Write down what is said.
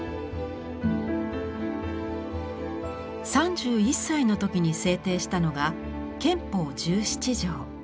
３１歳の時に制定したのが憲法十七条。